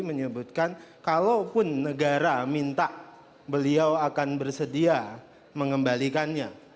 saya sebutkan kalaupun negara minta beliau akan bersedia mengembalikannya